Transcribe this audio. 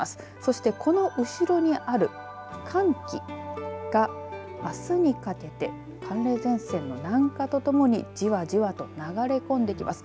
そして、この後ろにある寒気があすにかけて寒冷前線の南下とともにじわじわと流れ込んできます。